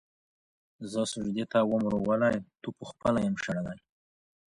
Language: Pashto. زه سجدې ته وم راغلی تا پخپله یم شړلی